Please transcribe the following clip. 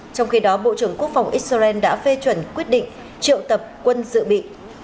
trong khi đó bộ trưởng quốc phòng israel đã phê chuẩn quyết định triệu tập quân dự bị